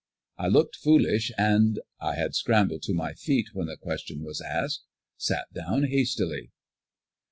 I looked foolish and I had scrambled to my feet when the question was asked sat down hastily.